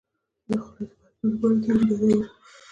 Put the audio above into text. د خولې د بد بوی لپاره د هل دانه وژويئ